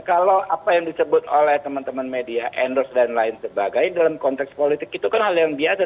kalau apa yang disebut oleh teman teman media endorse dan lain sebagainya dalam konteks politik itu kan hal yang biasa